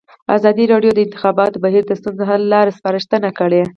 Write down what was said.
ازادي راډیو د د انتخاباتو بهیر د ستونزو حل لارې سپارښتنې کړي.